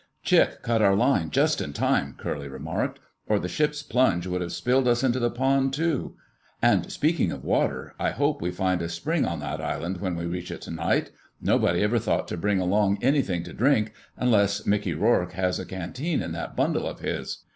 "Chick cut our line just in time," Curly remarked, "or the ship's plunge would have spilled us into the pond, too. And, speaking of water, I hope we find a spring on that island when we reach it tonight. Nobody ever thought to bring along anything to drink, unless Mickey Rourke has a canteen in that bundle of his."